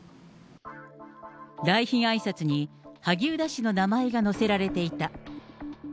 来賓あいさつに、萩生田氏の名前が載せられていた。